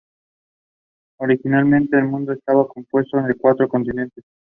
Originalmente, el mundo estaba compuesto de cuatro continentes.